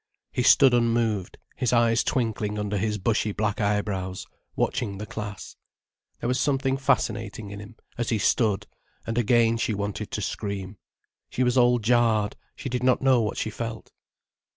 He stood unmoved, his eyes twinkling under his bushy black eyebrows, watching the class. There was something fascinating in him, as he stood, and again she wanted to scream. She was all jarred, she did not know what she felt.